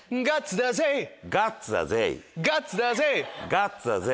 ガッツだぜ！